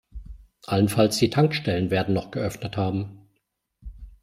Allenfalls die Tankstellen werden noch geöffnet haben.